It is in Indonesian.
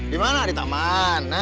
dimana di taman